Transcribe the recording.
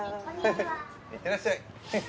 いってらっしゃい。